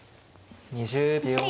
２０秒。